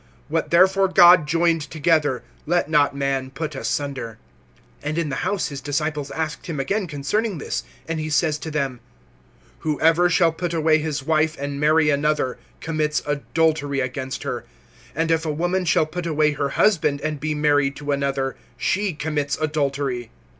(9)What therefore God joined together, let not man put asunder. (10)And in the house his disciples asked him again concerning this. (11)And he says to them: Whoever shall put away his wife, and marry another, commits adultery against her. (12)And if a woman shall put away her husband, and be married to another, she commits adultery.